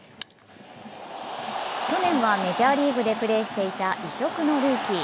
去年はメジャーリーグでプレーしていた異色のルーキー。